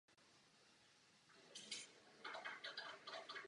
Jím do Vrchlabí přichází nový šlechtický rod.